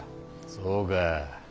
そうか。